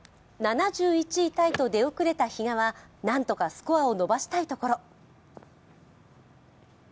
７１位タイと出遅れた比嘉は何とかスコアを伸ばしたいところ。